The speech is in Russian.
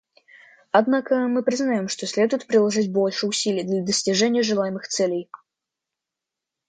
Однако мы признаем, что следует приложить больше усилий для достижения желаемых целей.